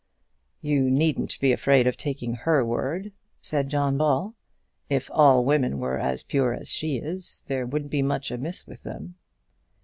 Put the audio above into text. "You needn't be afraid of taking her word," said John Ball. "If all women were as pure as she is, there wouldn't be much amiss with them."